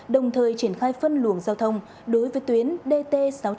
đồng thời triển khai phân luồng giao thông đối với tuyến dt sáu trăm bốn mươi một